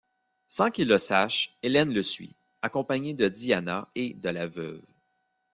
Sans qu’il le sache, Hélène le suit, accompagnée de Diana et de la veuve.